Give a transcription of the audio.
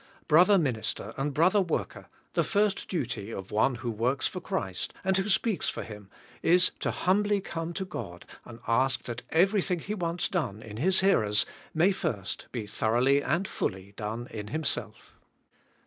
Brother minister and brother worker, the first duty of one who works for Christ and speaks for Him, is to humbly come to God and ask that everything he wants done in his hearers may first be thoroughly and fully done in himself.